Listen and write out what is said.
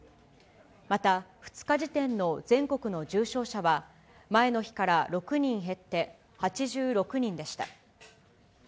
また２日時点の全国の重症者は、前の日から６人減って、８６人でした。